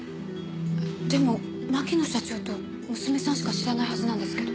でも牧野社長と娘さんしか知らないはずなんですけど。